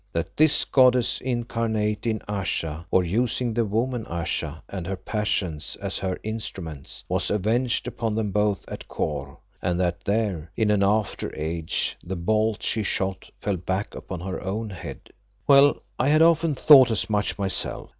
That this goddess incarnate in Ayesha or using the woman Ayesha and her passions as her instruments was avenged upon them both at Kôr, and that there in an after age the bolt she shot fell back upon her own head. Well, I had often thought as much myself.